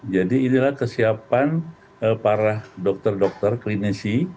jadi inilah kesiapan para dokter dokter klinisi